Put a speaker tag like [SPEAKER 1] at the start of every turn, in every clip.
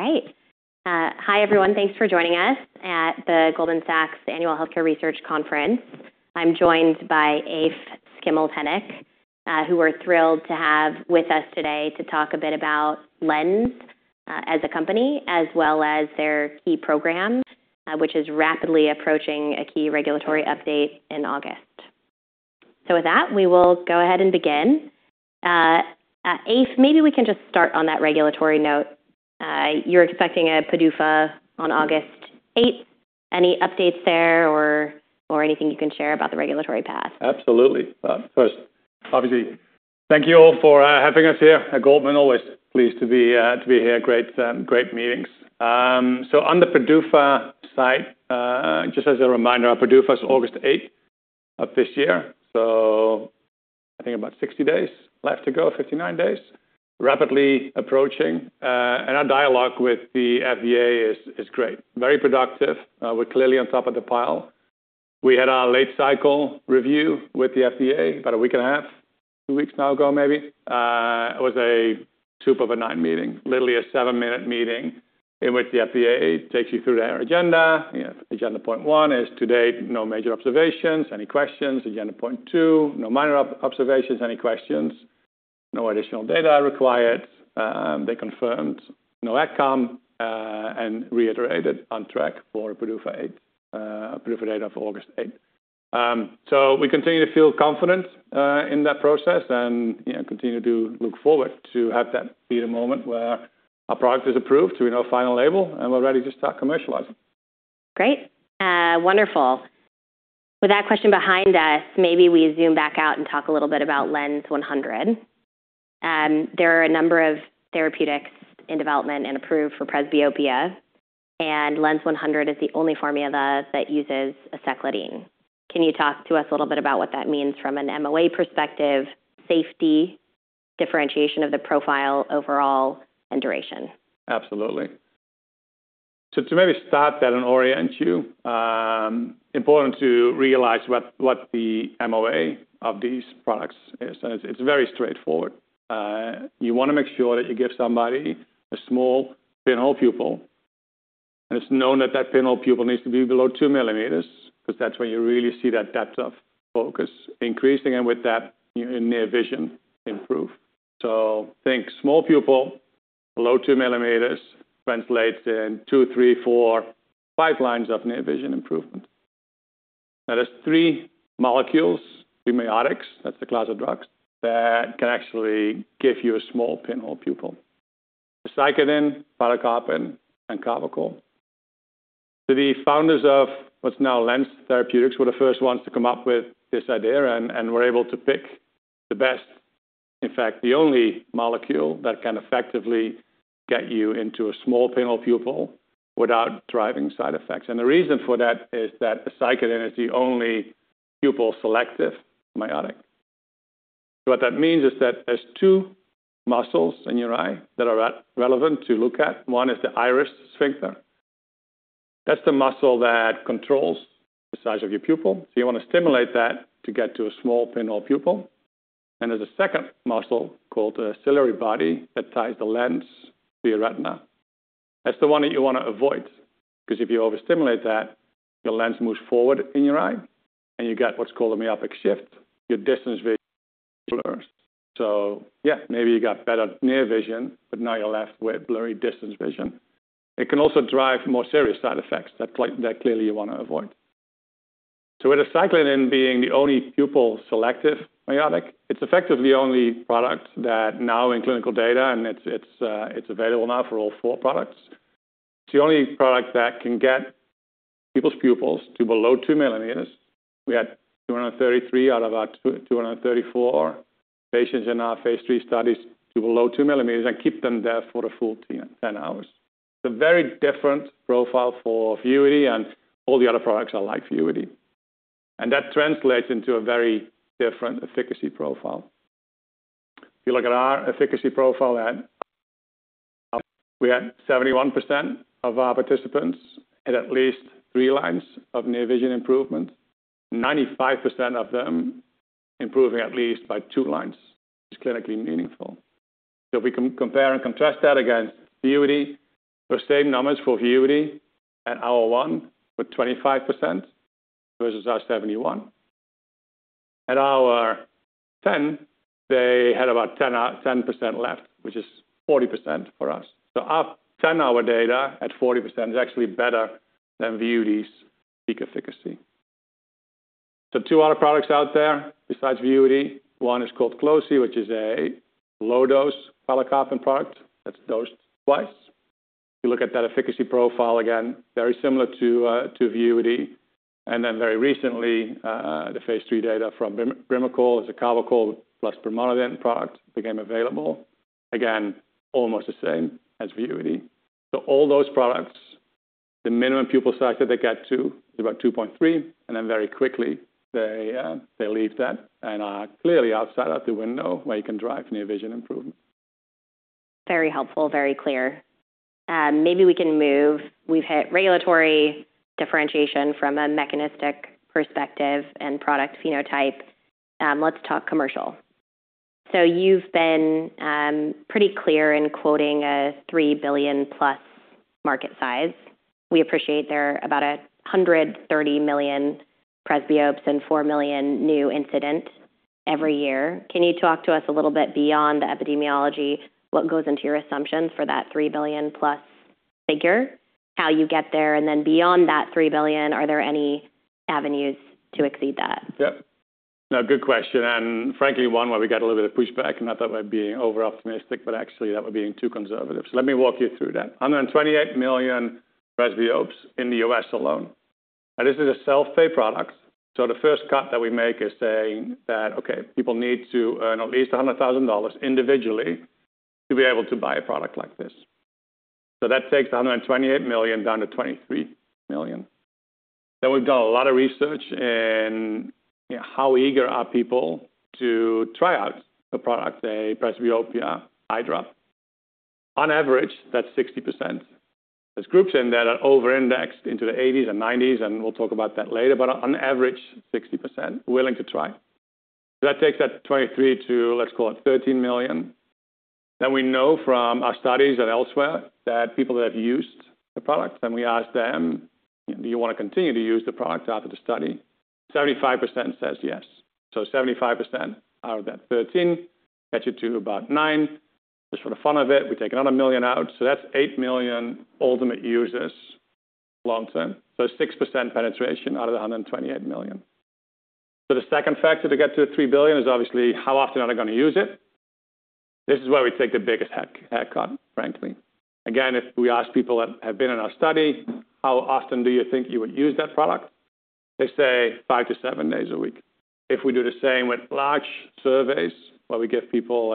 [SPEAKER 1] All right. Hi, everyone. Thanks for joining us at the Goldman Sachs Annual Healthcare Research Conference. I'm joined by Eef Schimmelpennink, who we're thrilled to have with us today to talk a bit about LENZ as a company, as well as their key program, which is rapidly approaching a key regulatory update in August. With that, we will go ahead and begin. Eef, maybe we can just start on that regulatory note. You're expecting a PDUFA on August 8. Any updates there or anything you can share about the regulatory path?
[SPEAKER 2] Absolutely. First, obviously, thank you all for having us here. Goldman always pleased to be here. Great meetings. On the PDUFA site, just as a reminder, our PDUFA is August 8 of this year. I think about 60 days left to go, 59 days, rapidly approaching. Our dialogue with the FDA is great. Very productive. We're clearly on top of the pile. We had our late cycle review with the FDA about a week and a half, two weeks now ago, maybe. It was a soup-of-a-night meeting, literally a seven-minute meeting in which the FDA takes you through their agenda. Agenda point one is, to date, no major observations. Any questions? Agenda point two, no minor observations. Any questions? No additional data required. They confirmed no outcome and reiterated on track for PDUFA data for August 8. We continue to feel confident in that process and continue to look forward to have that be the moment where our product is approved to final label, and we're ready to start commercializing. Great. Wonderful. With that question behind us, maybe we zoom back out and talk a little bit about LENZ 100. There are a number of therapeutics in development and approved for presbyopia, and LENZ 100 is the only formula that uses aceclidine. Can you talk to us a little bit about what that means from an MOA perspective, safety, differentiation of the profile overall, and duration? Absolutely. To maybe start that and orient you, important to realize what the MOA of these products is. It is very straightforward. You want to make sure that you give somebody a small pinhole pupil. It is known that that pinhole pupil needs to be below 2 millimeters because that is when you really see that depth of focus increasing. With that, your near vision improves. Think small pupil, below 2 millimeters, translates in 2, 3, 4, 5 lines of near vision improvement. Now, there are three molecules, premiotics that is the class of drugs that can actually give you a small pinhole pupil: aceclidine, pilocarpine, and carbachol. The founders of what's now LENZ Therapeutics were the first ones to come up with this idea and were able to pick the best, in fact, the only molecule that can effectively get you into a small pinhole pupil without driving side effects. The reason for that is that aceclidine is the only pupil-selective miotic. What that means is that there are two muscles in your eye that are relevant to look at. One is the iris sphincter. That's the muscle that controls the size of your pupil. You want to stimulate that to get to a small pinhole pupil. There is a second muscle called the ciliary body that ties the lens to your retina. That's the one that you want to avoid because if you overstimulate that, your lens moves forward in your eye, and you get what's called a myopic shift. Your distance vision blurs. Yeah, maybe you got better near vision, but now you're left with blurry distance vision. It can also drive more serious side effects that clearly you want to avoid. With aceclidine being the only pupil-selective miotic, it's effectively the only product that now in clinical data, and it's available now for all four products. It's the only product that can get people's pupils to below 2 millimeters. We had 233 out of our 234 patients in our phase 3 studies to below 2 millimeters and keep them there for the full 10 hours. It's a very different profile for Vuity and all the other products like Vuity. That translates into a very different efficacy profile. If you look at our efficacy profile, we had 71% of our participants had at least three lines of near vision improvement, 95% of them improving at least by two lines, which is clinically meaningful. If we can compare and contrast that against Vuity, we're same numbers for Vuity at hour one with 25% versus our 71. At hour 10, they had about 10% left, which is 40% for us. Our 10-hour data at 40% is actually better than Vuity's peak efficacy. Two other products out there besides Vuity. One is called Qlosi, which is a low-dose pilocarpine product that's dosed twice. If you look at that efficacy profile again, very similar to Vuity. Very recently, the phase 3 data from Brimochol as a carbachol plus brimonidine product became available. Again, almost the same as Vuity. All those products, the minimum pupil size that they get to is about 2.3. And then very quickly, they leave that and are clearly outside of the window where you can drive near vision improvement. Very helpful, very clear. Maybe we can move. We've hit regulatory differentiation from a mechanistic perspective and product phenotype. Let's talk commercial. You've been pretty clear in quoting a $3 billion-plus market size. We appreciate there are about 130 million presbyopes and 4 million new incidents every year. Can you talk to us a little bit beyond the epidemiology? What goes into your assumptions for that $3 billion-plus figure, how you get there? Beyond that $3 billion, are there any avenues to exceed that? Yeah. No, good question. And frankly, one where we got a little bit of pushback, not that we're being over-optimistic, but actually that we're being too conservative. Let me walk you through that. 128 million presbyopes in the U.S. alone. Now, this is a self-pay product. The first cut that we make is saying that, okay, people need to earn at least $100,000 individually to be able to buy a product like this. That takes 128 million down to 23 million. Then we've done a lot of research in how eager are people to try out a product, a presbyopia eye drop. On average, that's 60%. There are groups in there that are over-indexed into the 80s and 90s, and we'll talk about that later, but on average, 60% willing to try. That takes that 23 to, let's call it, 13 million. We know from our studies and elsewhere that people that have used the product, and we ask them, do you want to continue to use the product after the study? 75% says yes. 75% out of that 13 gets you to about 9. Just for the fun of it, we take another million out. That is 8 million ultimate users long-term. 6% penetration out of the 128 million. The second factor to get to $3 billion is obviously how often are they going to use it? This is where we take the biggest haircut, frankly. Again, if we ask people that have been in our study, how often do you think you would use that product? They say five to seven days a week. If we do the same with large surveys where we give people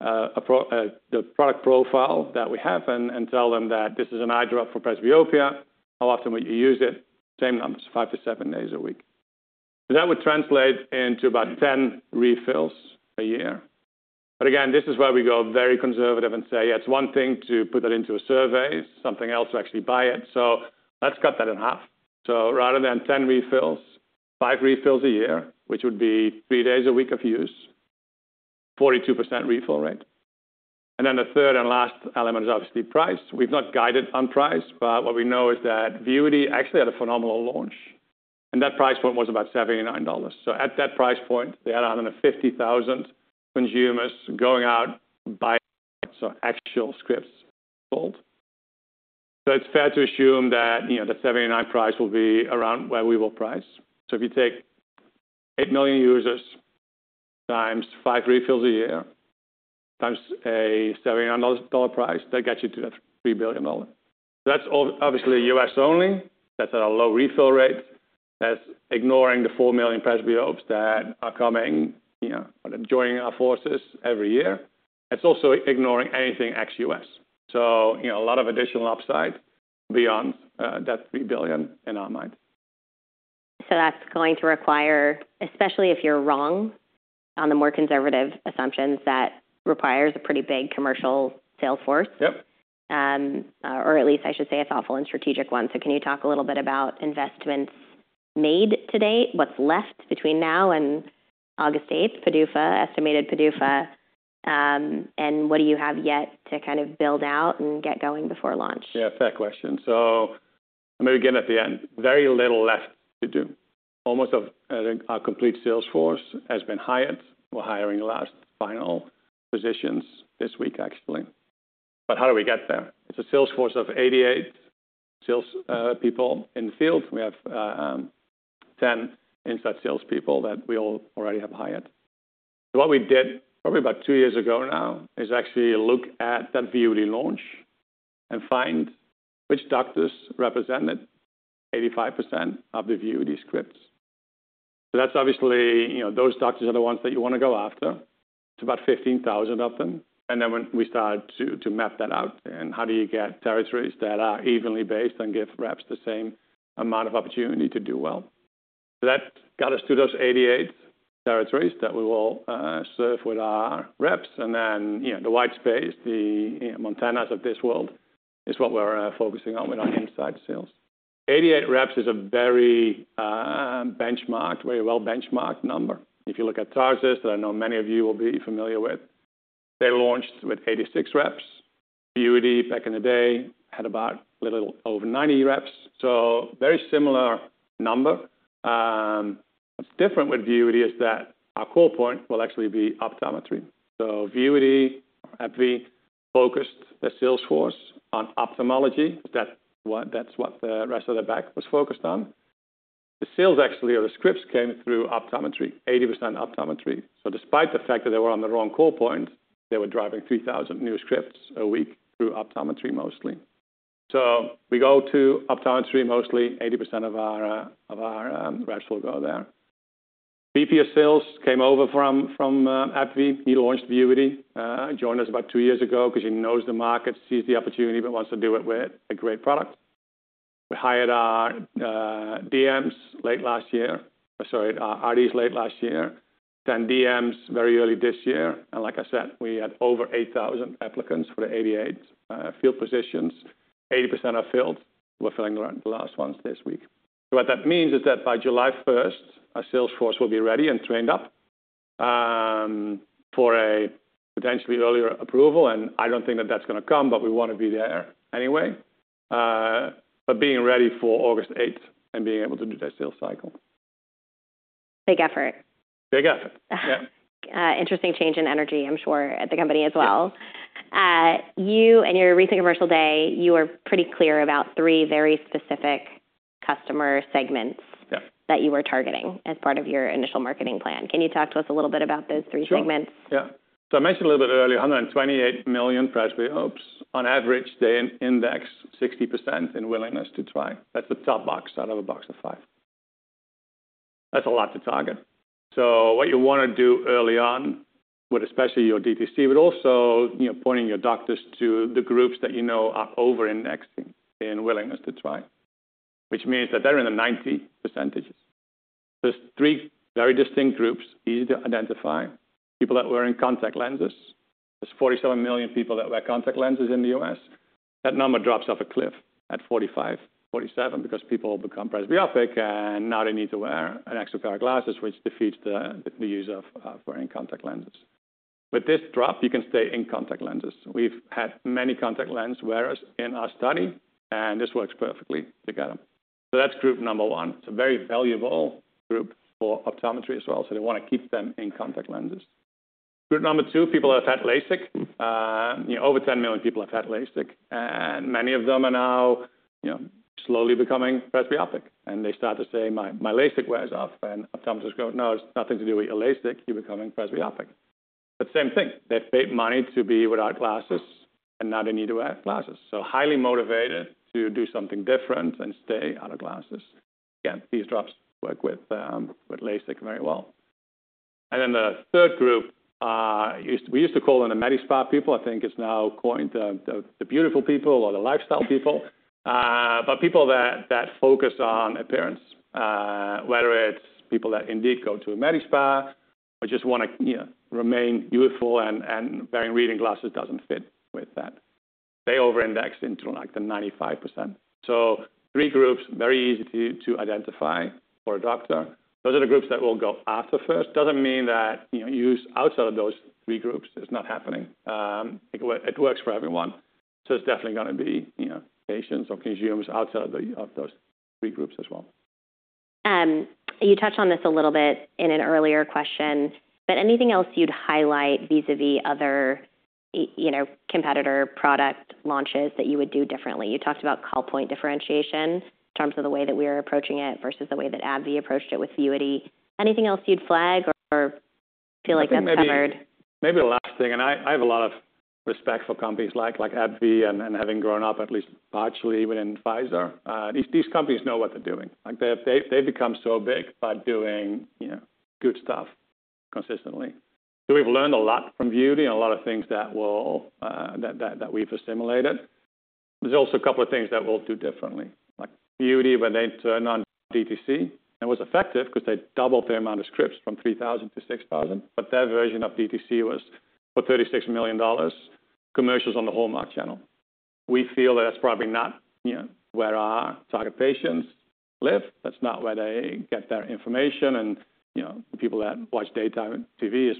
[SPEAKER 2] the product profile that we have and tell them that this is an eye drop for presbyopia, how often would you use it? Same numbers, five to seven days a week. That would translate into about 10 refills a year. Again, this is where we go very conservative and say, yeah, it's one thing to put that into a survey, something else to actually buy it. Let's cut that in half. Rather than 10 refills, five refills a year, which would be three days a week of use, 42% refill rate. The third and last element is obviously price. We've not guided on price, but what we know is that Vuity actually had a phenomenal launch. That price point was about $79. At that price point, they had 150,000 consumers going out by. So actual scripts sold. It's fair to assume that the $79 price will be around where we will price. If you take 8 million users times five refills a year times a $79 price, that gets you to that $3 billion. That's obviously U.S. only. That's at a low refill rate. That's ignoring the 4 million presbyopes that are coming or joining our forces every year. It's also ignoring anything ex-U.S. A lot of additional upside beyond that $3 billion in our mind. That's going to require, especially if you're wrong on the more conservative assumptions, that requires a pretty big commercial sales force. Yep. Or at least I should say a thoughtful and strategic one. Can you talk a little bit about investments made to date? What's left between now and August 8, estimated PDUFA? What do you have yet to kind of build out and get going before launch? Yeah, fair question. I'm going to begin at the end. Very little left to do. Almost a complete sales force has been hired. We're hiring the last final positions this week, actually. How do we get there? It's a sales force of 88 salespeople in the field. We have 10 inside salespeople that we already have hired. What we did probably about two years ago now is actually look at that Vuity launch and find which doctors represented 85% of the Vuity scripts. Obviously, those doctors are the ones that you want to go after. It's about 15,000 of them. We start to map that out. How do you get territories that are evenly based and give reps the same amount of opportunity to do well? That got us to those 88 territories that we will serve with our reps. The white space, the Montana's of this world, is what we're focusing on with our inside sales. Eighty-eight reps is a very benchmarked, very well-benchmarked number. If you look at Tarsus, that I know many of you will be familiar with, they launched with eighty-six reps. Vuity back in the day had about a little over ninety reps. So very similar number. What's different with Vuity is that our core point will actually be optometry. So Vuity, AbbVie focused the sales force on ophthalmology. That's what the rest of the back was focused on. The sales actually of the scripts came through optometry, 80% optometry. Despite the fact that they were on the wrong core point, they were driving 3,000 new scripts a week through optometry mostly. We go to optometry mostly. 80% of our reps will go there. VP of Sales came over from AbbVie. He launched Vuity, joined us about two years ago because he knows the market, sees the opportunity, but wants to do it with a great product. We hired our DMs late last year, sorry, our RDs late last year, 10 DMs very early this year. And like I said, we had over 8,000 applicants for the 88 field positions. 80% are filled. We're filling the last ones this week. What that means is that by July 1, our sales force will be ready and trained up for a potentially earlier approval. I don't think that that's going to come, but we want to be there anyway. Being ready for August 8 and being able to do their sales cycle. Big effort. Big effort. Yeah. Interesting change in energy, I'm sure, at the company as well. You and your recent commercial day, you were pretty clear about three very specific customer segments that you were targeting as part of your initial marketing plan. Can you talk to us a little bit about those three segments? Yeah. So I mentioned a little bit earlier, 128 million presbyopes. On average, they index 60% in willingness to try. That's a top box out of a box of five. That's a lot to target. What you want to do early on with especially your DTC, but also pointing your doctors to the groups that you know are over-indexing in willingness to try, which means that they're in the 90% ranges. There are three very distinct groups, easy to identify, people that wear contact lenses. There are 47 million people that wear contact lenses in the U.S. That number drops off a cliff at 45, 47 because people become presbyopic and now they need to wear an extra pair of glasses, which defeats the use of wearing contact lenses. With this drop, you can stay in contact lenses. We've had many contact lens wearers in our study, and this works perfectly together. That's group number one. It's a very valuable group for optometry as well. They want to keep them in contact lenses. Group number two, people have had LASIK. Over 10 million people have had LASIK, and many of them are now slowly becoming presbyopic. They start to say, "My LASIK wears off," and optometrists go, "No, it's nothing to do with your LASIK. You're becoming presbyopic." Same thing. They've paid money to be without glasses, and now they need to wear glasses. Highly motivated to do something different and stay out of glasses. Again, these drops work with LASIK very well. The third group, we used to call them the medi spa people. I think it's now coined the beautiful people or the lifestyle people, but people that focus on appearance, whether it's people that indeed go to a medi spa or just want to remain beautiful and wearing reading glasses doesn't fit with that. They over-index into like the 95%. So three groups, very easy to identify for a doctor. Those are the groups that will go after first. Doesn't mean that use outside of those three groups is not happening. It works for everyone. So it's definitely going to be patients or consumers outside of those three groups as well. You touched on this a little bit in an earlier question, but anything else you'd highlight vis-à-vis other competitor product launches that you would do differently? You talked about call point differentiation in terms of the way that we are approaching it versus the way that AbbVie approached it with Vuity. Anything else you'd flag or feel like that's covered? Maybe the last thing. And I have a lot of respect for companies like AbbVie and having grown up at least partially within Pfizer. These companies know what they're doing. They've become so big by doing good stuff consistently. So we've learned a lot from Vuity and a lot of things that we've assimilated. There's also a couple of things that we'll do differently. Like Vuity, when they turned on DTC, it was effective because they doubled their amount of scripts from 3,000 to 6,000. But their version of DTC was for $36 million commercials on the whole market channel. We feel that that's probably not where our target patients live. That's not where they get their information. And people that watch daytime TV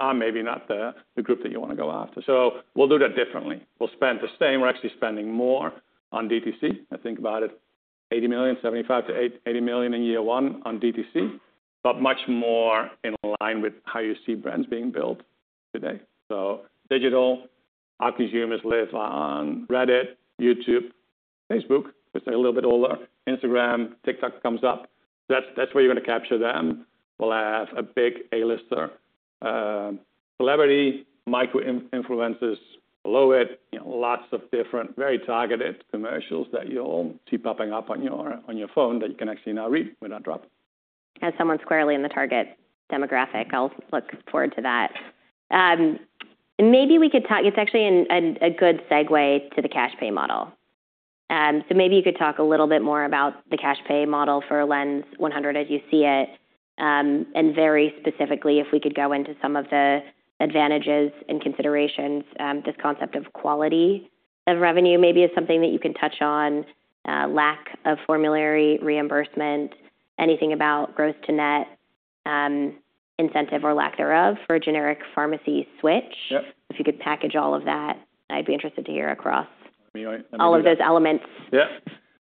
[SPEAKER 2] are maybe not the group that you want to go after. So we'll do that differently. We'll spend the same. We're actually spending more on DTC. I think about it, $75 million-$80 million in year one on DTC, but much more in line with how you see brands being built today. Digital, our consumers live on Reddit, YouTube, Facebook, which, they're a little bit older. Instagram, TikTok comes up. That is where you're going to capture them. We'll have a big A-lister celebrity, micro-influencers below it, lots of different very targeted commercials that you'll see popping up on your phone that you can actually now read with our drop. As someone squarely in the target demographic, I'll look forward to that. Maybe we could talk—it's actually a good segue to the cash pay model. Maybe you could talk a little bit more about the cash pay model for LENZ 100 as you see it. Very specifically, if we could go into some of the advantages and considerations, this concept of quality of revenue maybe is something that you can touch on, lack of formulary reimbursement, anything about gross to net incentive or lack thereof for a generic pharmacy switch. If you could package all of that, I'd be interested to hear across all of those elements. Yeah.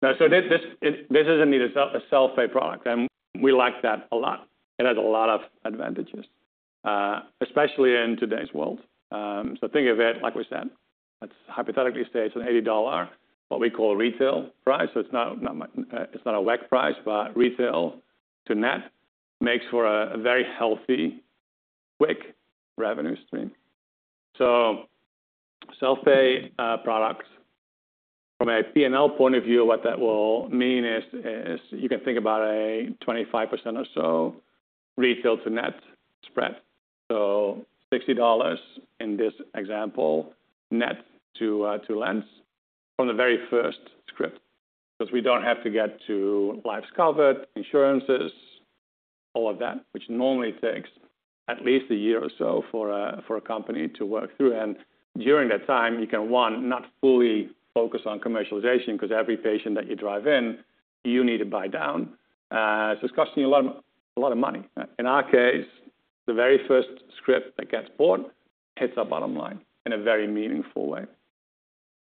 [SPEAKER 2] This is indeed a self-pay product, and we like that a lot. It has a lot of advantages, especially in today's world. Think of it, like we said, let's hypothetically say it's an $80, what we call retail price. It's not a WAC price, but retail to net makes for a very healthy, quick revenue stream. Self-pay products, from a P&L point of view, what that will mean is you can think about a 25% or so retail to net spread. $60 in this example, net to LENZ from the very first script because we don't have to get to lives covered, insurances, all of that, which normally takes at least a year or so for a company to work through. During that time, you can, one, not fully focus on commercialization because every patient that you drive in, you need to buy down. It's costing you a lot of money. In our case, the very first script that gets bought hits our bottom line in a very meaningful way.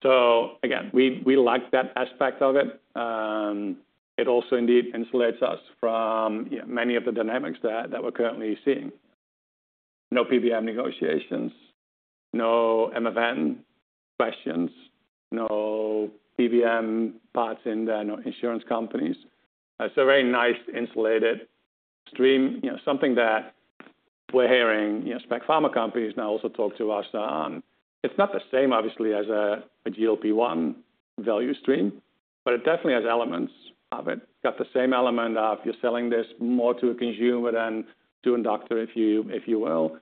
[SPEAKER 2] We like that aspect of it. It also indeed insulates us from many of the dynamics that we're currently seeing. No PBM negotiations, no MFN questions, no PBM parts in there, no insurance companies. Very nice insulated stream, something that we're hearing SPAC pharma companies now also talk to us on. It's not the same, obviously, as a GLP-1 value stream, but it definitely has elements of it. Got the same element of you're selling this more to a consumer than to a doctor, if you will.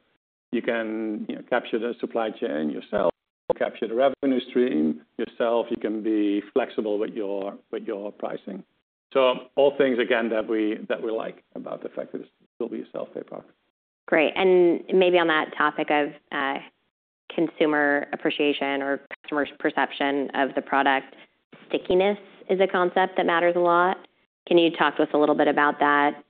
[SPEAKER 2] You can capture the supply chain yourself, capture the revenue stream yourself. You can be flexible with your pricing. All things, again, that we like about the fact that this will be a self-pay product. Great. Maybe on that topic of consumer appreciation or customer's perception of the product, stickiness is a concept that matters a lot. Can you talk to us a little bit about that?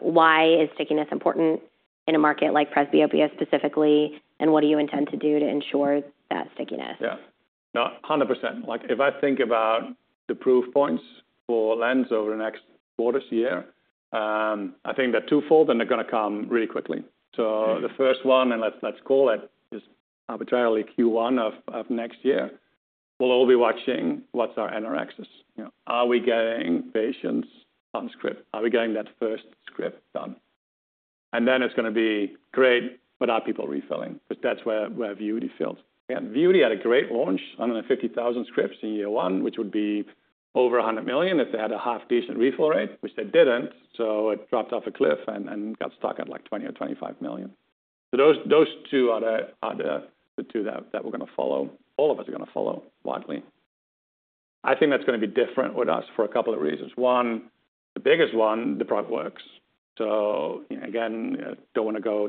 [SPEAKER 2] Why is stickiness important in a market like presbyopia specifically, and what do you intend to do to ensure that stickiness? Yeah. 100%. If I think about the proof points for LENZ over the next quarter to year, I think they're twofold, and they're going to come really quickly. The first one, and let's call it just arbitrarily Q1 of next year, we'll all be watching what's our NRXs. Are we getting patients on script? Are we getting that first script done? It's going to be great, but are people refilling? Because that's where Vuity failed. Vuity had a great launch on the 50,000 scripts in year one, which would be over $100 million if they had a half-decent refill rate, which they didn't. It dropped off a cliff and got stuck at like $20 million or $25 million. Those two are the two that we're going to follow. All of us are going to follow widely. I think that's going to be different with us for a couple of reasons. One, the biggest one, the product works. Again, don't want to go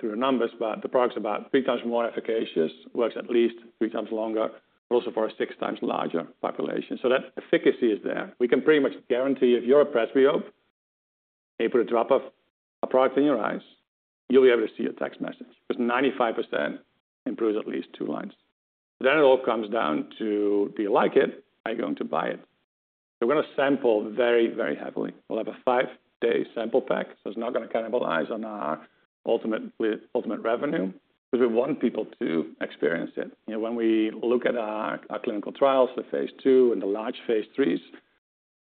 [SPEAKER 2] through the numbers, but the product's about three times more efficacious, works at least three times longer, but also for a six times larger population. That efficacy is there. We can pretty much guarantee if you're a presbyope, able to drop a product in your eyes, you'll be able to see your text message because 95% improves at least two lines. It all comes down to, do you like it? Are you going to buy it? We're going to sample very, very heavily. We'll have a five-day sample pack. It's not going to cannibalize on our ultimate revenue because we want people to experience it. When we look at our clinical trials, the phase two and the large phase threes,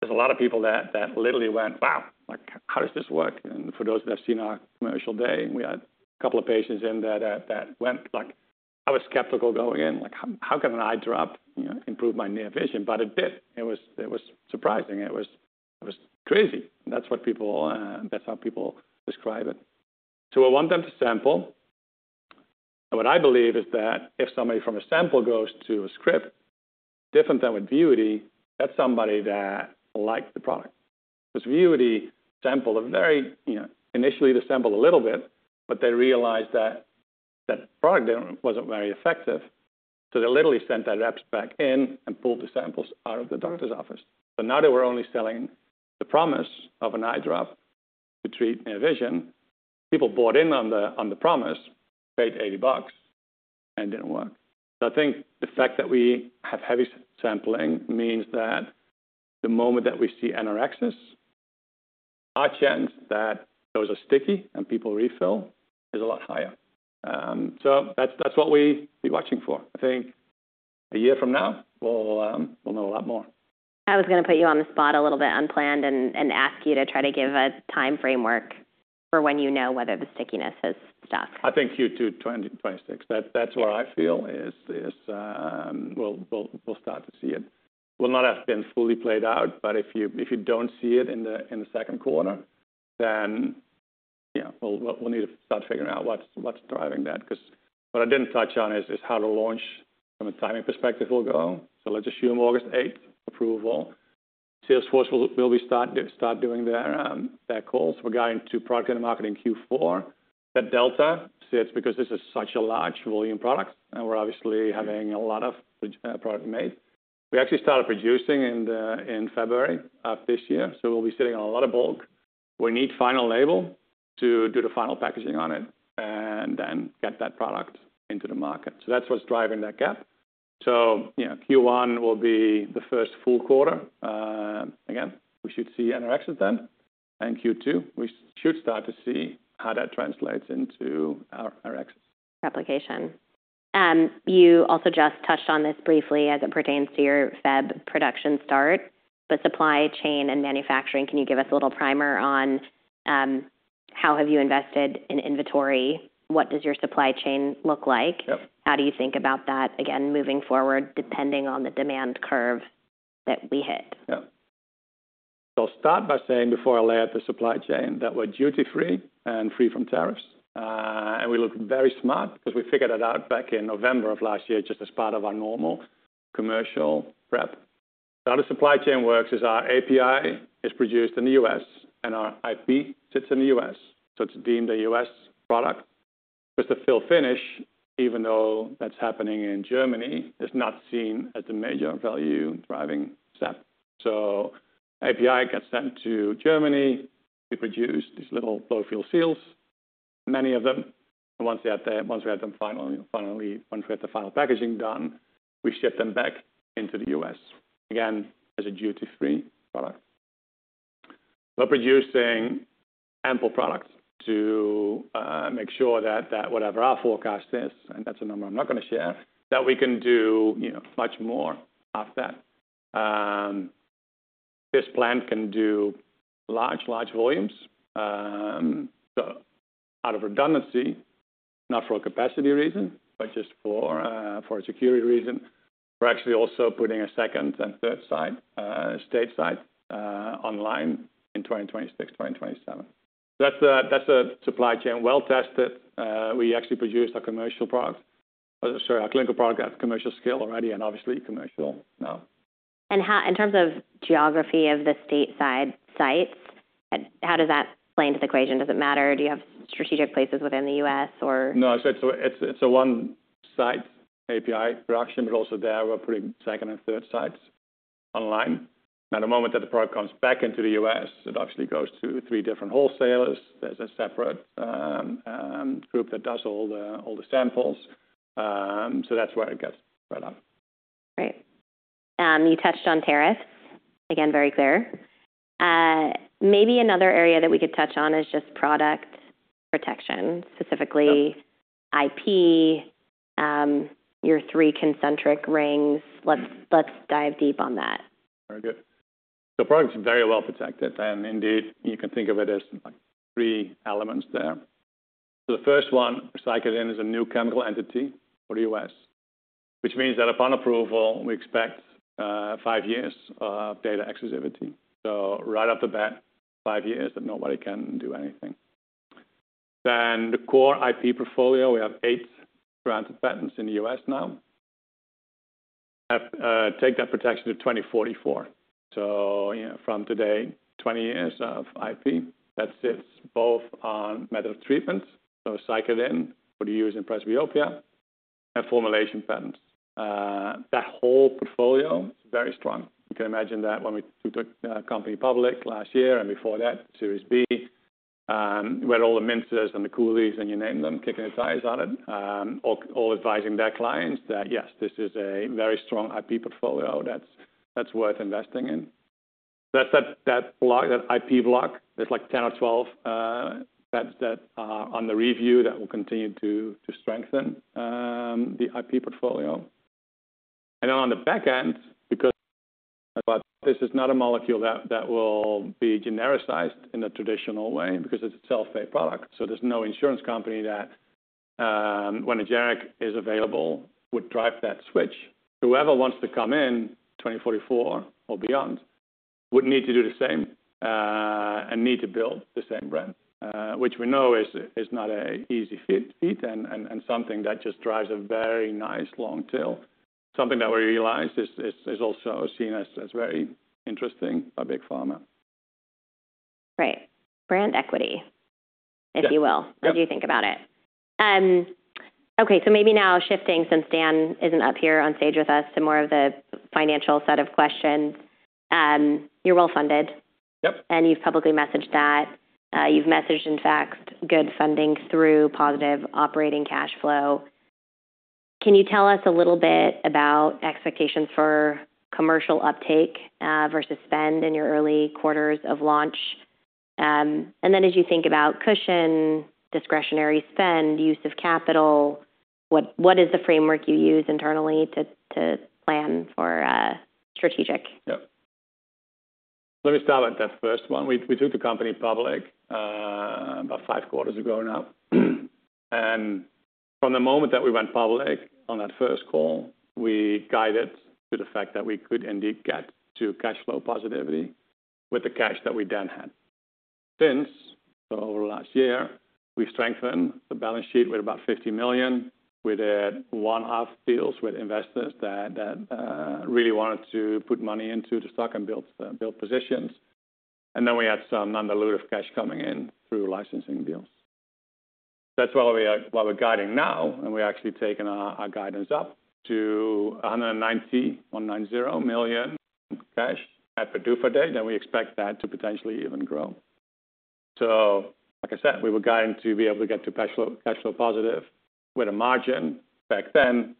[SPEAKER 2] there's a lot of people that literally went, "Wow, how does this work?" For those that have seen our commercial day, we had a couple of patients in there that went, like, "I was skeptical going in. How can an eye drop improve my near vision?" It did. It was surprising. It was crazy. That's how people describe it. We want them to sample. What I believe is that if somebody from a sample goes to a script, different than with Vuity, that's somebody that liked the product. Because Vuity sampled very initially, they sampled a little bit, but they realized that that product wasn't very effective. They literally sent that rep back in and pulled the samples out of the doctor's office. Now they were only selling the promise of an eye drop to treat near vision. People bought in on the promise, paid $80, and it did not work. I think the fact that we have heavy sampling means that the moment that we see NRXs, our chance that those are sticky and people refill is a lot higher. That is what we will be watching for. I think a year from now, we will know a lot more. I was going to put you on the spot a little bit unplanned and ask you to try to give a time framework for when you know whether the stickiness has stopped. I think Q2 2026, that's where I feel we'll start to see it. It will not have been fully played out, but if you don't see it in the second quarter, then we'll need to start figuring out what's driving that. Because what I didn't touch on is how the launch from a timing perspective will go. Let's assume August 8 approval. Salesforce will be starting to start doing their calls. We're going to product and marketing Q4. That delta sits because this is such a large volume product, and we're obviously having a lot of product made. We actually started producing in February of this year. We'll be sitting on a lot of bulk. We need final label to do the final packaging on it and then get that product into the market. That's what's driving that gap. Q1 will be the first full quarter. Again, we should see NRXs then. In Q2, we should start to see how that translates into our NRXs. Application. And you also just touched on this briefly as it pertains to your February production start, but supply chain and manufacturing, can you give us a little primer on how have you invested in inventory? What does your supply chain look like? How do you think about that, again, moving forward, depending on the demand curve that we hit? Yeah. I'll start by saying before I lay out the supply chain that we're duty-free and free from tariffs. We look very smart because we figured it out back in November of last year just as part of our normal commercial prep. How the supply chain works is our API is produced in the U.S., and our IP sits in the U.S. So it's deemed a U.S. product. Because the fill finish, even though that's happening in Germany, is not seen as the major value driving step. API gets sent to Germany. We produce these little blow-fill seals. Many of them, once we have them finally, once we have the final packaging done, we ship them back into the U.S. again, as a duty-free product. We're producing ample products to make sure that whatever our forecast is, and that's a number I'm not going to share, that we can do much more of that. This plant can do large, large volumes. Out of redundancy, not for a capacity reason, but just for a security reason, we're actually also putting a second and third site, a stateside, online in 2026, 2027. That's a supply chain well tested. We actually produced our commercial product, sorry, our clinical product at commercial scale already and obviously commercial now. In terms of geography of the state-side sites, how does that play into the equation? Does it matter? Do you have strategic places within the U.S. or? No, it's a one-site API production, but also there we're putting second and third sites online. Now, the moment that the product comes back into the U.S., it obviously goes to three different wholesalers. There's a separate group that does all the samples. That's where it gets spread out. Great. You touched on tariffs. Again, very clear. Maybe another area that we could touch on is just product protection, specifically IP, your three concentric rings. Let's dive deep on that. Very good. Product is very well protected. Indeed, you can think of it as three elements there. The first one, aceclidine as a new chemical entity for the US, which means that upon approval, we expect five years of data exclusivity. Right off the bat, five years that nobody can do anything. The core IP portfolio, we have eight granted patents in the US now. That protection goes to 2044. From today, 20 years of IP that sits both on method of treatment, so aceclidine for the use in presbyopia, and formulation patents. That whole portfolio is very strong. You can imagine that when we took the company public last year and before that, Series B, where all the MNCs and the KOLs, and you name them, kicking their tires on it, all advising their clients that, yes, this is a very strong IP portfolio that's worth investing in. That IP block, there's like 10 or 12 patents that are under review that will continue to strengthen the IP portfolio. Then on the back end, because this is not a molecule that will be genericized in a traditional way because it's a self-pay product, there's no insurance company that when a generic is available would drive that switch. Whoever wants to come in 2044 or beyond would need to do the same and need to build the same brand, which we know is not an easy feat and something that just drives a very nice long tail. Something that we realize is also seen as very interesting by big pharma. Right. Brand equity, if you will, as you think about it. Okay. Maybe now shifting since Dan isn't up here on stage with us to more of the financial set of questions. You're well funded. Yep. You have publicly messaged that. You have messaged and factored good funding through positive operating cash flow. Can you tell us a little bit about expectations for commercial uptake versus spend in your early quarters of launch? As you think about cushion, discretionary spend, use of capital, what is the framework you use internally to plan for strategic? Yeah. Let me start with that first one. We took the company public about five quarters ago now. From the moment that we went public on that first call, we guided to the fact that we could indeed get to cash flow positivity with the cash that we then had. Since, so over the last year, we strengthened the balance sheet with about $50 million. We did one-off deals with investors that really wanted to put money into the stock and build positions. Then we had some non-dilutive cash coming in through licensing deals. That is why we are guiding now, and we are actually taking our guidance up to $190 million cash at the due for date. We expect that to potentially even grow. Like I said, we were guiding to be able to get to cash flow positive with a margin. Back then,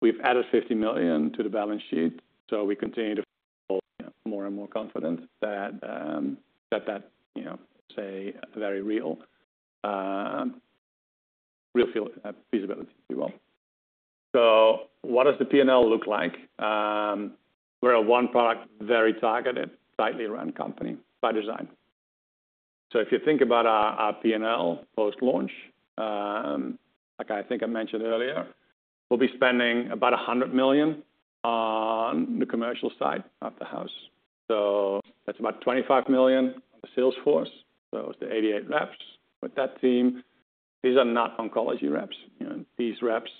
[SPEAKER 2] we've added $50 million to the balance sheet. We continue to feel more and more confident that that is a very real feasibility, if you will. What does the P&L look like? We're a one-product, very targeted, tightly run company by design. If you think about our P&L post-launch, like I think I mentioned earlier, we'll be spending about $100 million on the commercial side of the house. That's about $25 million on the Salesforce. It's the 88 reps with that team. These are not oncology reps. These reps,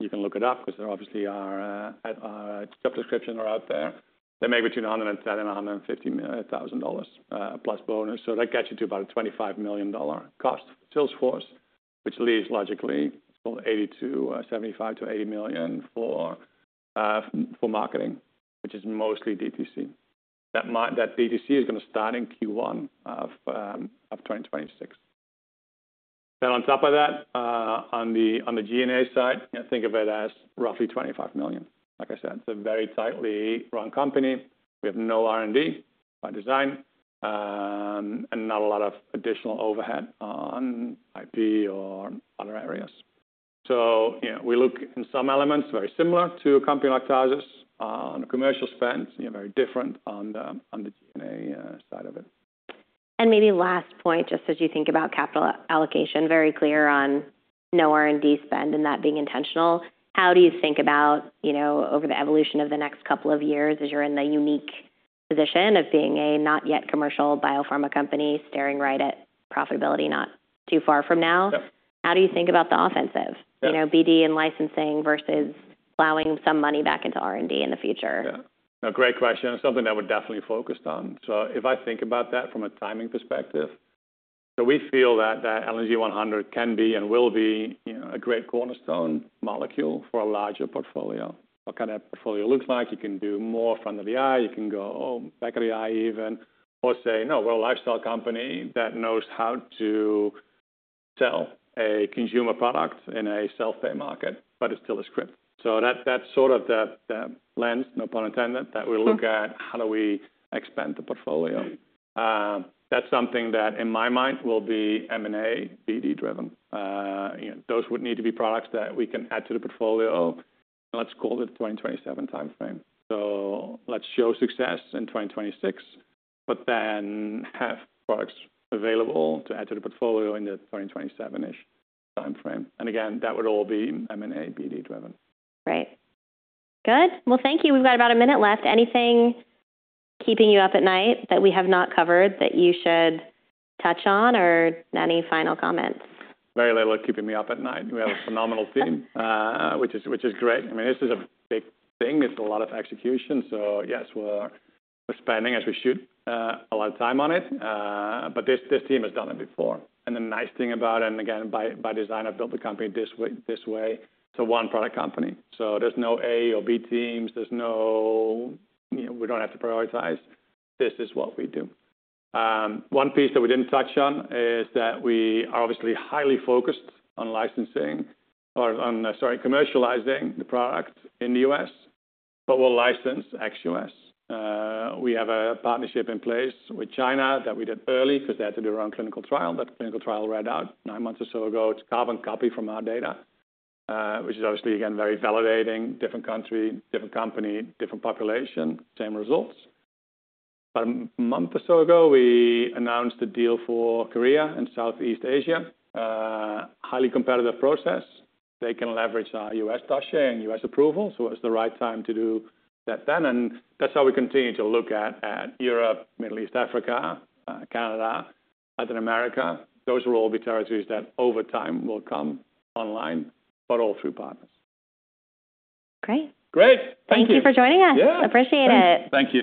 [SPEAKER 2] you can look it up because they obviously are job description are out there. They make between $130,000 and $150,000 plus bonus. That gets you to about a $25 million cost for Salesforce, which leaves logically $75 million-$80 million for marketing, which is mostly DTC. That DTC is going to start in Q1 of 2026. Then on top of that, on the G&A side, think of it as roughly $25 million. Like I said, it's a very tightly run company. We have no R&D by design and not a lot of additional overhead on IP or other areas. We look in some elements very similar to a company like Tarsus on the commercial spend, very different on the G&A side of it. Maybe last point, just as you think about capital allocation, very clear on no R&D spend and that being intentional. How do you think about over the evolution of the next couple of years as you're in the unique position of being a not yet commercial biopharma company staring right at profitability not too far from now? How do you think about the offensive, BD and licensing versus plowing some money back into R&D in the future? Yeah. Now, great question. It's something that we're definitely focused on. If I think about that from a timing perspective, we feel that LENZ 100 can be and will be a great cornerstone molecule for a larger portfolio. What kind of portfolio looks like? You can do more front of the eye. You can go, oh, back of the eye even, or say, no, we're a lifestyle company that knows how to sell a consumer product in a self-pay market, but it's still a script. That's sort of the lens, no pun intended, that we look at how do we expand the portfolio. That's something that in my mind will be M&A BD driven. Those would need to be products that we can add to the portfolio. Let's call it the 2027 timeframe. Let's show success in 2026, but then have products available to add to the portfolio in the 2027-ish timeframe. Again, that would all be M&A BD driven. Right. Good. Thank you. We've got about a minute left. Anything keeping you up at night that we have not covered that you should touch on or any final comments? Very little keeping me up at night. We have a phenomenal team, which is great. I mean, this is a big thing. It's a lot of execution. Yes, we're spending, as we should, a lot of time on it. This team has done it before. The nice thing about it, and again, by design, I've built the company this way. It's a one-product company. There's no A or B teams. We don't have to prioritize. This is what we do. One piece that we didn't touch on is that we are obviously highly focused on licensing or on, sorry, commercializing the product in the US, but we'll license ex-US. We have a partnership in place with China that we did early because they had to do their own clinical trial. That clinical trial read out nine months or so ago. It's carbon copy from our data, which is obviously, again, very validating. Different country, different company, different population, same results. A month or so ago, we announced a deal for Korea and Southeast Asia. Highly competitive process. They can leverage our US dossier and US approval. It was the right time to do that then. That is how we continue to look at Europe, Middle East, Africa, Canada, Latin America. Those will all be territories that over time will come online, but all through partners. Great. Great. Thank you. Thank you for joining us. Yeah. Appreciate it. Thank you.